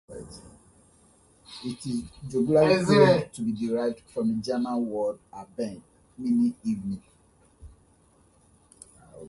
It is jocularly claimed to be derived from the German word "Abend" meaning "evening".